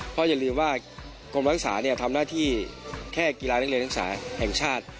เพราะอย่าลืมว่ากรมศักดิ์ศาสตร์ทำหน้าที่แค่กีฬานักเรียนศักดิ์ศาสตร์แห่งชาติ